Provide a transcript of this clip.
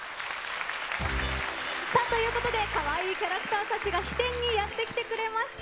ということで、カワイイキャラクターたちが飛天にやってきてくれました。